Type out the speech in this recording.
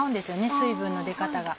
水分の出方が。